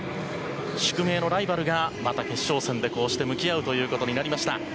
宿命のライバルがまた決勝戦でこうして向き合うということになりました。